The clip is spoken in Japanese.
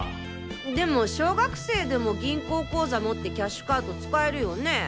でも小学生でも銀行口座持ってキャッシュカード使えるよね？